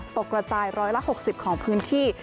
ตกระจายร้อยละ๖๐ของพื้นที่